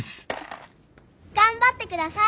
頑張って下さい！